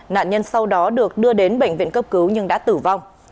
nạn nhân sau đó được đưa đến bệnh viện cấp cứu nhưng đã tử vong